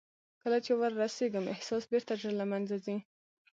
کله چې ور رسېږم احساس بېرته ژر له منځه ځي.